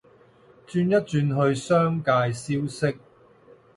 轉一轉去商界消息